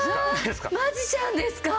マジシャンですか？